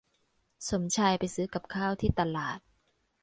สมชายไปซื้อกับข้าวที่ตลาด